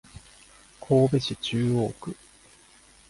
神戸市中央区